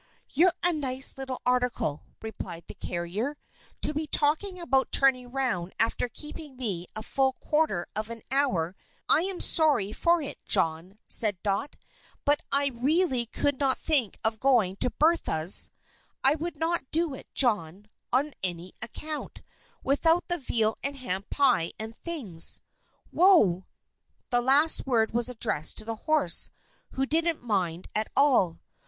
"You're a nice little article," replied the carrier, "to be talking about turning round after keeping me a full quarter of an hour behind my time." "I am sorry for it, John," said Dot, "but I really could not think of going to Bertha's I would not do it, John, on any account without the veal and ham pie and things. Whoa!" This last word was addressed to the horse, who didn't mind at all.